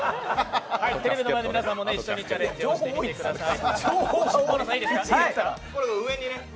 テレビの前の皆さんも一緒にチャレンジしてみてください。